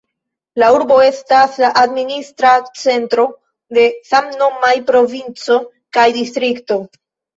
La urbo estas la administra centro de samnomaj provinco kaj distrikto.